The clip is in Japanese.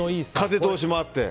風通しもあって。